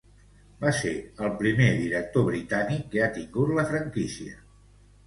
Va ser el primer director britànic que ha tingut la franquícia.